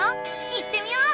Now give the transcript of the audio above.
行ってみよう！